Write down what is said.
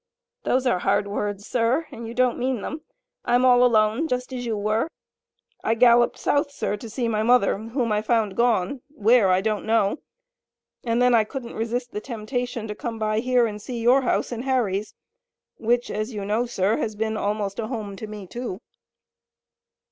"Those are hard words, sir, and you don't mean them. I'm all alone, just as you were. I galloped south, sir, to see my mother, whom I found gone, where, I don't know, and then I couldn't resist the temptation to come by here and see your house and Harry's, which, as you know, sir, has been almost a home to me, too."